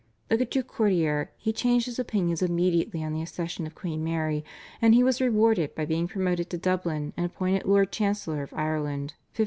Like a true courtier he changed his opinions immediately on the accession of Queen Mary, and he was rewarded by being promoted to Dublin and appointed Lord Chancellor of Ireland (1555).